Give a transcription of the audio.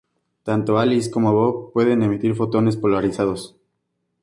Tanto Alice como Bob, pueden emitir fotones polarizados.